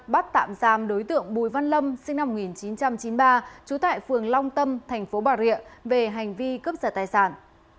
bắt tạm giam đối tượng bùi văn lâm sinh năm một nghìn chín trăm chín mươi ba trú tại phường long tâm thành phố bà rịa về hành vi cướp giật tài sản